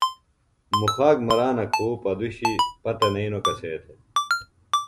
مُخاک مرانہ کُو پدُشی پتہ نئینو کسے تھے۔